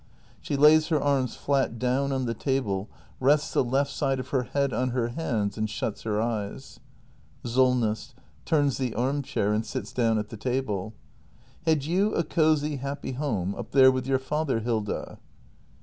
[She lays her arms flat down on the table, rests the left side of her head on her hands, and shuts her eyes. Solness. [Turns the arm chair and sits down at the table.] Had you a cosy, happy home — up there with your father, Hilda?